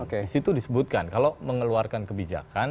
di situ disebutkan kalau mengeluarkan kebijakan